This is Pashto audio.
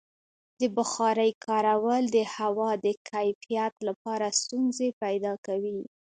د بخارۍ کارول د هوا د کیفیت لپاره ستونزې پیدا کوي.